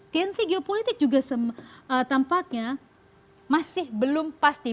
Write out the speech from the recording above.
tensi geopolitik juga tampaknya masih belum pasti